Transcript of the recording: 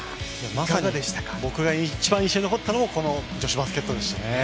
まさに僕が一番印象に残ったのもこの女子バスケットでしたね。